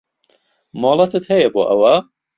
مۆڵەتت هەیە بۆ ئەوە؟